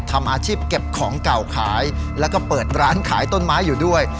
ทำอาชีพเก็บของเก่าขายแล้วก็เปิดร้านขายต้นไม้อยู่ด้วย